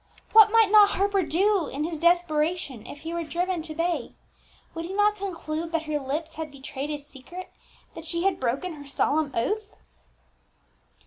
What might not Harper do, in his desperation, if he were driven to bay? Would he not conclude that her lips had betrayed his secret, that she had broken her solemn oath?